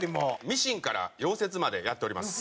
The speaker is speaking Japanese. ミシンから溶接までやっております。